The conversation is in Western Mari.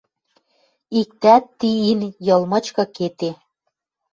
Иктӓт ти ин Йыл мычкы кеде